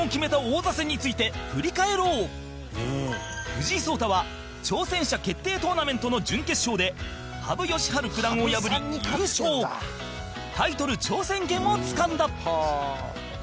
藤井聡太は挑戦者決定トーナメントの準決勝で羽生善治九段を破り、優勝タイトル挑戦権をつかんだ司会者：